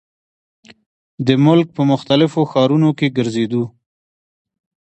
د ملک پۀ مختلفو ښارونو کښې ګرزيدو ۔